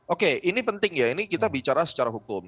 oke ini penting ya ini kita bicara secara hukum